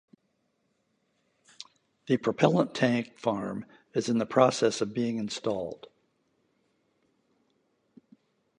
The propellant tank farm is in the process of being installed.